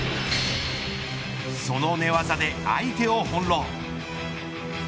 その寝技で、相手を翻弄。